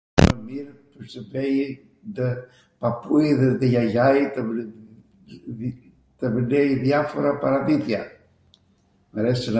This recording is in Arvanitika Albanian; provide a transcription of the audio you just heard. ... te papui edhe te jajai tw mw thejw dhjafora paramithja.